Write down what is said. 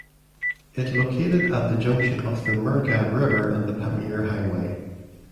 It located at the junction of the Murghab River and the Pamir Highway.